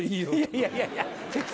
いやいやいや。